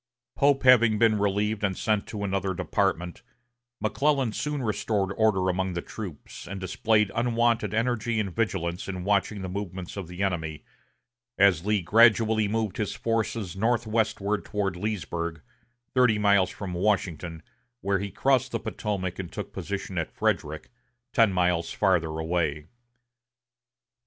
Pope having been relieved and sent to another department, McClellan soon restored order among the troops, and displayed unwonted energy and vigilance in watching the movements of the enemy, as Lee gradually moved his forces northwestward toward Leesburg, thirty miles from Washington, where he crossed the Potomac and took position at Frederick, ten miles farther away.